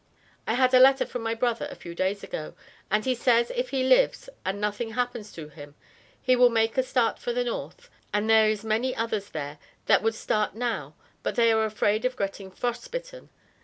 I had a letter from my brother a few days ago, and he says if he lives and nothing happens to him he will make a start for the north and there is many others there that would start now but they are afraid of getting frost bitten.